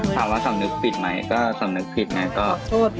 ถามว่าสำนึกผิดไหมก็สำนึกผิดไหมก็